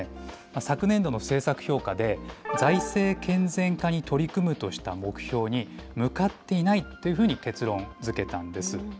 昨年度の政策評価で、財政健全化に取り組むとした目標に向かっていないというふうに結論づけたんです。